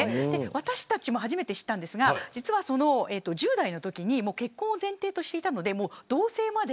私たちも初めて知ったんですが１０代のときに結婚を前提としていたので同棲まで。